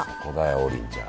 王林ちゃん。